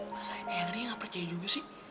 masa eri gak percaya juga sih